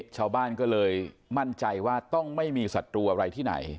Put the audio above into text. ชาวบ้านก็เลยมั่นใจว่าต้องไม่มีศัตรูอะไรที่ไหน